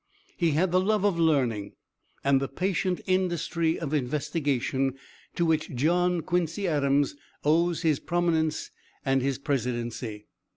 He had the love of learning, and the patient industry of investigation, to which John Quincy Adams owes his prominence and his presidency.